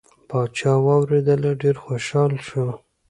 پاچا واورېدله ډیر خوشحال شو.